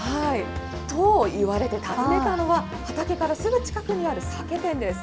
と言われて訪ねたのは、畑からすぐ近くにある酒店です。